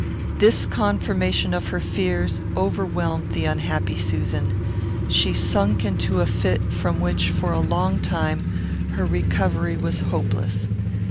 This confirmation of her fears overwhelmed the unhappy Susan. She sunk into a fit, from which, for a long time, her recovery was hopeless.